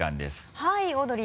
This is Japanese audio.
はい。